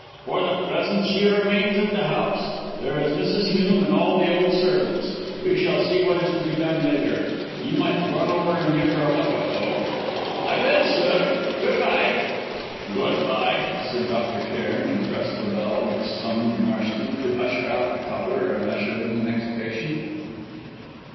For the present she remains at the house. There is Mrs. Hume, and all the old servants. We shall see what is to be done, later. You might run over and give her a look up, though." "I will, sir! Good bye." "Good bye," said Dr. Cairn, and pressed the bell which summoned Marston to usher out the caller, and usher in the next patient.